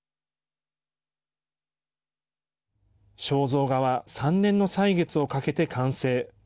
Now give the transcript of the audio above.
肖像画は３年の歳月をかけて完成。